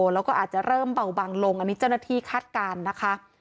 แล้วก็อาจจะเริ่มเบาบางลงอันนี้เจ้าหน้าที่คาดการณ์นะคะ